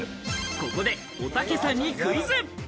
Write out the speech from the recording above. ここで、おたけさんにクイズ。